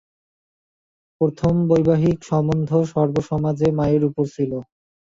প্রথম বৈবাহিক সম্বন্ধ সর্বসমাজে মায়ের উপর ছিল।